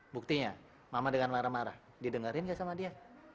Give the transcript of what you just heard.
buktinya mama dengan marah marah didengerin gak sama dia